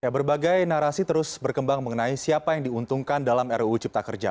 berbagai narasi terus berkembang mengenai siapa yang diuntungkan dalam ruu cipta kerja